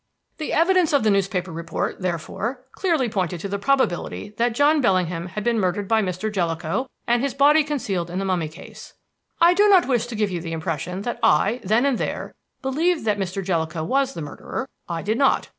"The evidence of the newspaper report, therefore, clearly pointed to the probability that John Bellingham had been murdered by Mr. Jellicoe and his body concealed in the mummy case. "I do not wish to give you the impression that I, then and there, believed that Mr. Jellicoe was the murderer. I did not.